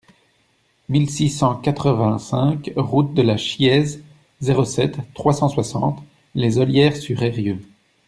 mille six cent quatre-vingt-cinq route de la Chiéze, zéro sept, trois cent soixante, Les Ollières-sur-Eyrieux